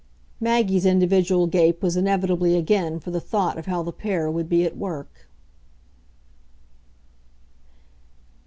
Maggie's individual gape was inevitably again for the thought of how the pair would be at work.